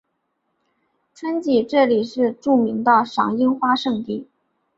春季这里是著名的赏樱花胜地。